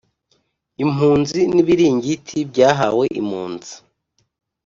impunzi n'ibiringiti byahawe impunzi.